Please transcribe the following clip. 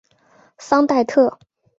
桑代特。